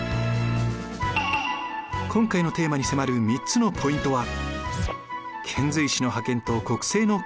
今回のテーマに迫る３つのポイントは。